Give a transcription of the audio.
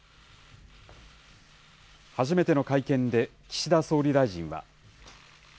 初めての会見で、岸田総理大臣は。